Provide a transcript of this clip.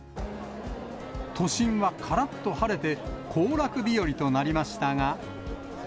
都心はからっと晴れて、行楽日和となりましたが。